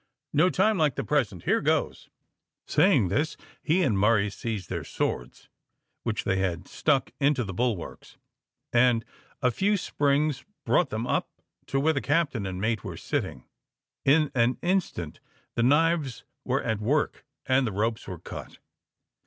"No time like the present. Here goes." Saying this, he and Murray seized their swords, which they had stuck into the bulwarks, and a few springs brought them up to where the captain and mate were sitting. In an instant the knives were at work, and the ropes were cut.